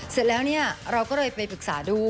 เสร็จแล้วเนี่ยเราก็เลยไปปรึกษาดู